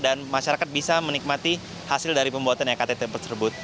dan masyarakat bisa menikmati hasil dari pembuatan iktp tersebut